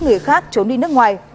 người khác trốn đi nước ngoài